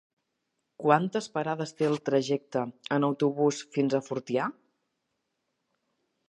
Quantes parades té el trajecte en autobús fins a Fortià?